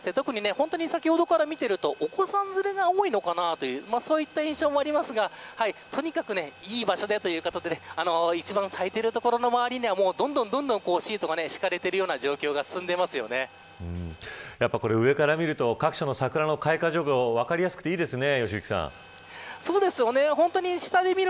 本当に先ほどから見ているとお子さん連れが多いのかなとそういった印象もありますがとにかくいい場所でという方で一番咲いている所の周りにはどんどんシートが敷かれているような状況が上から見ると各所の桜の開花状況が分かりやすくていいですね。